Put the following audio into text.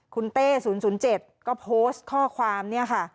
คุณเต้๐๐๗ก็โพสต์ข้อความเนี่ยค่ะ